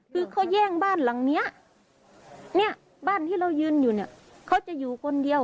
คือเขาแย่งบ้านหลังเนี้ยเนี่ยบ้านที่เรายืนอยู่เนี่ยเขาจะอยู่คนเดียว